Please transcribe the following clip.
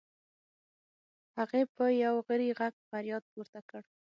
هغې په یو غری غږ فریاد پورته کړ.